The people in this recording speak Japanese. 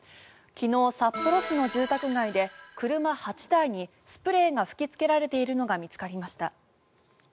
昨日、札幌市の住宅街で車８台にスプレーが吹きつけられているのが見つかりました。